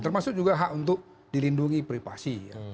termasuk juga hak untuk dilindungi privasi